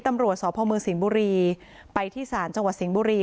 ตำรวจสพมสิงห์บุรีไปที่ศาลจังหวัดสิงห์บุรี